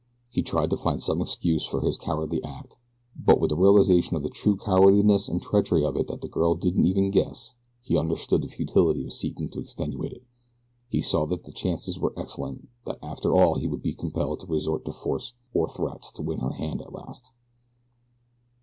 He tried to find some excuse for his cowardly act; but with the realization of the true cowardliness and treachery of it that the girl didn't even guess he understood the futility of seeking to extenuate it. He saw that the chances were excellent that after all he would be compelled to resort to force or threats to win her hand at the last.